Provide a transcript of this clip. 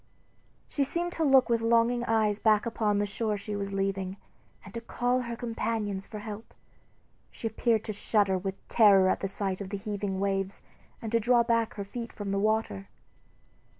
She seemed to look with longing eyes back upon the shore she was leaving, and to call to her companions for help. She appeared to shudder with terror at the sight of the heaving waves, and to draw back her feet from the water.